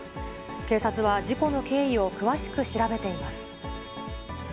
警察は、事故の経緯を詳しく調べています。